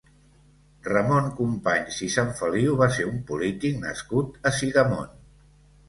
Ramon Companys i Sanfeliu va ser un polític nascut a Sidamon.